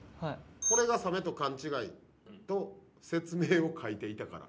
「“これがサメとかんちがい”と説明を書いていたから」。